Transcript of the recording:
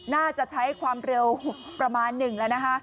น่าจะใช้ความเร็วประมาณหนึ่งแล้วนะคะ